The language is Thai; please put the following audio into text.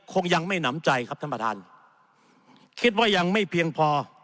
คงยังไม่หนำใจครับท่านประธานคิดว่ายังไม่เพียงพอ